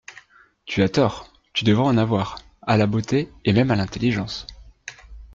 Tu as tort ; tu devrais en avoir, à la beauté, et même à l'intelligence.